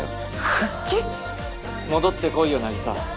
復帰⁉戻ってこいよ凪沙。